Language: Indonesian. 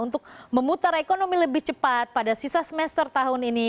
untuk memutar ekonomi lebih cepat pada sisa semester tahun ini